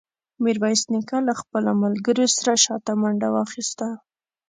ميرويس نيکه له خپلو ملګرو سره شاته منډه واخيسته.